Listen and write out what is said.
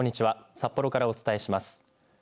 札幌からお伝えします。